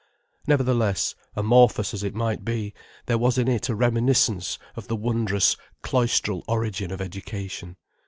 Nevertheless, amorphous as it might be, there was in it a reminiscence of the wondrous, cloistral origin of education.